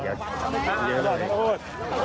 ของกระโพด